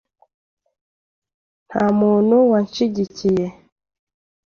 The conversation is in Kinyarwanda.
Nta muntu wanshigikiye .